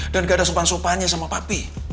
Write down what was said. dan gak ada sopan sopanya sama papi